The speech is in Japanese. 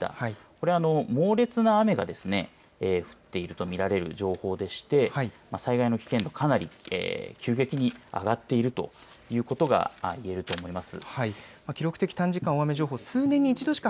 これ、猛烈な雨がですね降っていると見られる情報でして災害の危険度かなり急激に上がっているということが言えると思います。